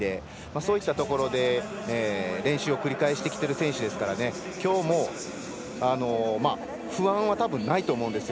そうしたところで練習を繰り返してきている選手ですから、きょうも不安はないと思うんですよ。